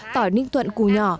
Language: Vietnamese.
tỏi ninh thuật củ nhỏ